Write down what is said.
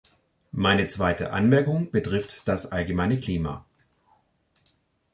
Meine zweite Anmerkung betrifft das allgemeine Klima.